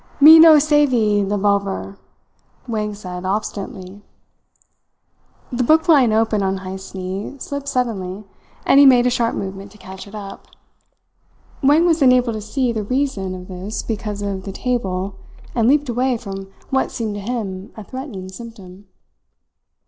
"Me no savee levolvel," Wang said obstinately. The book lying open on Heyst's knee slipped suddenly and he made a sharp movement to catch it up. Wang was unable to see the reason of this because of the table, and leaped away from what seemed to him a threatening symptom.